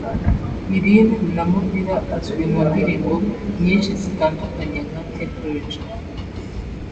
Iryn Namubira azwi mu ndirimbo nyinshi zitandukanye nka temperature